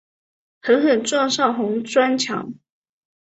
狠狠撞上红砖墙